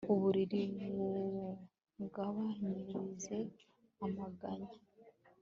uburiri bungabanyirize amaganya